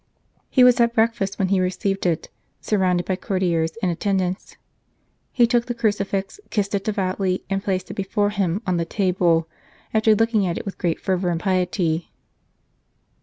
He was at breakfast when he received it, sur rounded by courtiers and attendants. He took 119 St. Charles Borromeo the crucifix, kissed it devoutly, and placed it before him on the table, after looking at it with great fervour and piety."